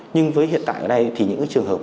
nhưng với hiện tại ở đây thì những trường hợp